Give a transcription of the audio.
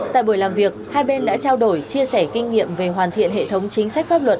tại buổi làm việc hai bên đã trao đổi chia sẻ kinh nghiệm về hoàn thiện hệ thống chính sách pháp luật